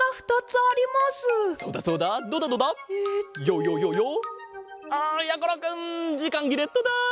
あやころくんじかんぎれットだ！